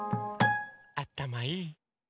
あたまいい！